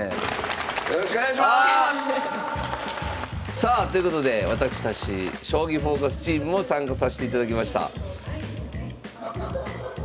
さあということで私たち「将棋フォーカス」チームも参加さしていただきました。